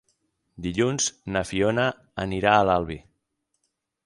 Dilluns na Fiona anirà a l'Albi.